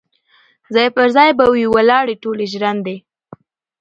ځاي پر ځای به وي ولاړي ټولي ژرندي